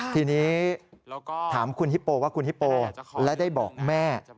ทีนี้ถามคุณฮิปโปว่าคุณฮิปโปและได้บอกแม่